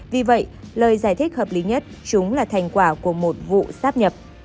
vì vậy lời giải thích hợp lý nhất chúng là thành quả của một vụ sáp nhập